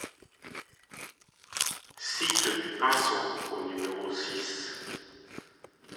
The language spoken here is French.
Cite du Pinson au numéro six